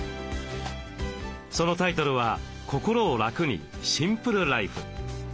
そのタイトルは「心を楽にシンプルライフ」。